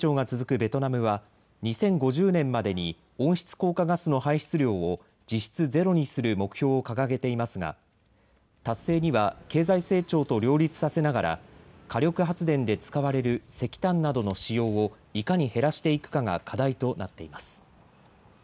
ベトナムは２０５０年までに温室効果ガスの排出量を実質ゼロにする目標を掲げていますが達成には経済成長と両立させながら火力発電で使われる石炭などの使用をいかに減らしていくかが課題となっています。